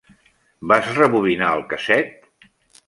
Vas rebobinar el casset?